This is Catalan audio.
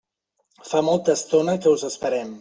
Fa molta estona que us esperem.